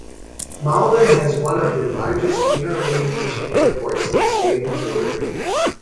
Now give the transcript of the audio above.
Malden has one of the largest general aviation airports in the State of Missouri.